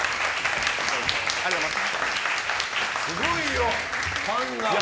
すごいよ、ファンが。